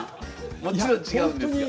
もちろん違うんですが。